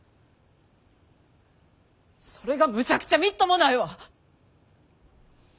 それがむちゃくちゃみっともないわ！